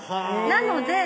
なので